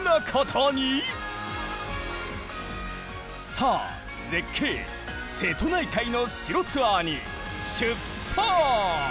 さあ絶景瀬戸内海の城ツアーに出発！